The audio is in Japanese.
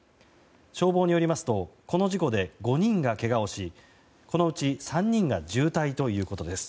消防によりますとこの事故で５人がけがをしこのうち３人が重体ということです。